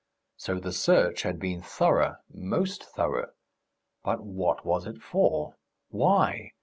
So the search had been thorough, most thorough. But what was it for? Why?